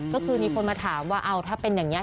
ก็คือมีคนมาถามว่าเอาถ้าเป็นอย่างนี้